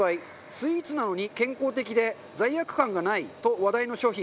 スイーツなのに健康的で罪悪感がないと話題の商品。